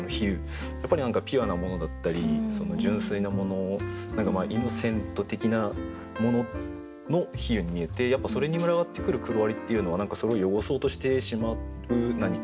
やっぱり何かピュアなものだったり純粋なものイノセント的なものの比喩に見えてやっぱそれに群がってくる黒蟻っていうのは何かそれを汚そうとしてしまう何か。